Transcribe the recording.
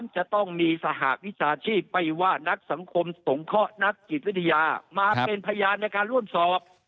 จะต้องมีสหวิชาชีพไม่ว่านักสังคมสงเคราะห์นักจิตวิทยามาเป็นพยานในการร่วมสอบ